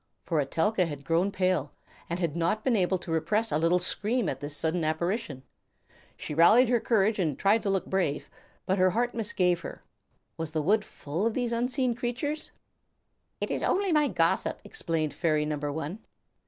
For Etelka had grown pale, and had not been able to repress a little scream at this sudden apparition. She rallied her courage and tried to look brave, but her heart misgave her. Was the wood full of these unseen creatures? "It is only my gossip," explained fairy number one.